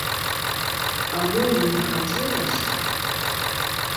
А мо і не хацелася?